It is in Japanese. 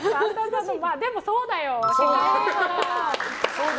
でも、そうだよ。